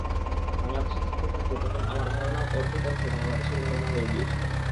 বাংলাদেশে থাকতে থাকতে তখন আমার ধারণার অর্ধেক অংশ বাংলাদেশের ধারণা হয়ে গিয়েছিল।